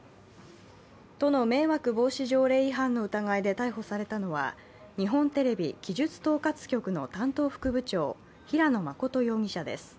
都の迷惑防止条例違反の疑いで逮捕されたのは日本テレビ技術統括局の担当副部長、平野実容疑者です。